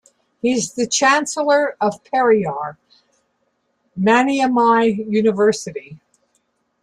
He is the Chancellor of Periyar Maniammai University.